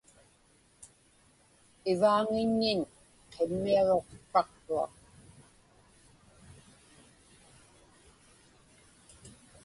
Ivaaŋiññiñ qimmiaġruksraqtuaq.